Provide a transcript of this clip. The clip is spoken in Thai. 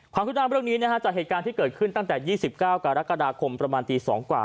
ขึ้นหน้าเรื่องนี้จากเหตุการณ์ที่เกิดขึ้นตั้งแต่๒๙กรกฎาคมประมาณตี๒กว่า